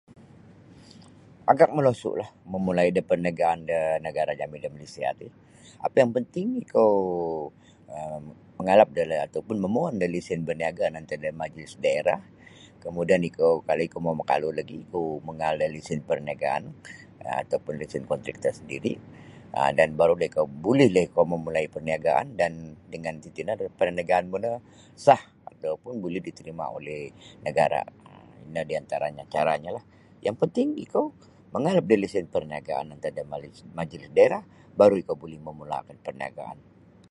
Agak molosu'lah mamulai' da parniagaan da nagara' jami' da Malaysia ti apa yang penting ikou um mangalap da la atau pun mamohon da lesen baniaga' antad da Majlis Daerah kemudian ikou kalau ikou mau' makalu lagi ikou mangaal da lesen parniagaan atau pun lesen kontrikta sandiri' um dan barulah ikou bulilah ikou mamulai' parniagaan dan dengan tatino parniagaan mu no sah atau pun buli diterima' oleh nagara' um ino diantaranyo caranyolah yang penting ikou mangalap da lesen parniagaan antad da Majlis Daerah baru' ikou buli mamulakan parniagaan.